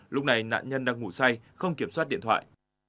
lúc này nạn nhân đang ngủ say không kiểm soát điện thoại